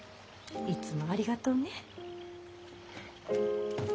いつもありがとうね。